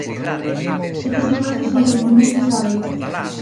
Estas imaxes son deste mesmo sábado.